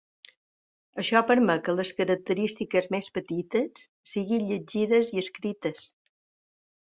Això permet que les característiques més petites siguin llegides i escrites.